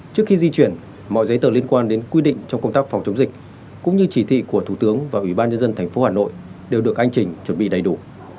trước khi di chuyển mọi giấy tờ liên quan đến quy định trong công tác phòng chống dịch cũng như chỉ thị của thủ tướng và ủy ban nhân dân tp hà nội đều được anh chỉnh chuẩn bị đầy đủ